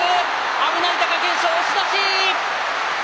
危ない、貴景勝、押し出し。